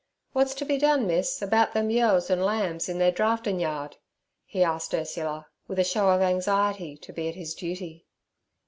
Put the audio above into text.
'Wot's t' be done, miss, 'bout them yeos an' lambs in ther draftin' yard?' he asked Ursula, with a show of anxiety to be at his duty.